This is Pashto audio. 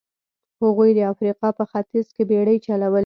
هغوی د افریقا په ختیځ کې بېړۍ چلولې.